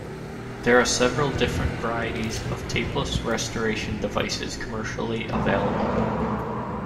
There are several different varieties of tapeless restoration devices commercially available.